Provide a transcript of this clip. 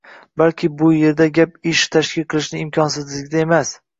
Balki bu yerda gap ish tashkil qilishning imkonsizligida emas